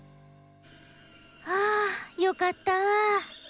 ああよかった！